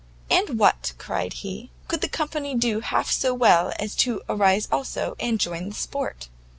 "And what," cried he, "could the company do half so well as to rise also, and join in the sport?